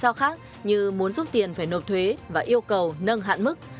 cho khác như muốn giúp tiền phải nộp thuế và yêu cầu nâng hạn mức